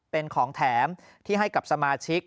เป็นของแถมที่ให้กับสมาชิก